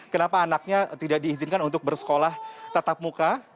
kenapa anaknya tidak diizinkan untuk bersekolah tatap muka